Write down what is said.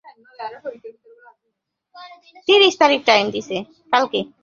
খুব মজা করে আমরা কাজ করি, শুটিংয়ের চেয়ে এখানে আড্ডাটাই বেশি হয়।